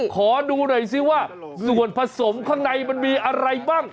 ขอดูหน่อยซิว่าส่วนผสมข้างในมันมีอะไรบ้าง